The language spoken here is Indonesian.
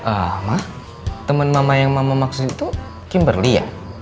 ah ma temen mama yang mama maksud itu kimberly ya